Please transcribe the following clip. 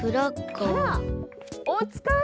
あらおつかい？